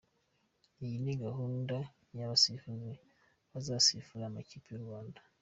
Iyi ni gahunda y’abasifuzi bazasifurira amakipe y’u Rwanda.